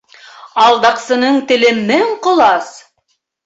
Алдаҡсының теле мең ҡолас.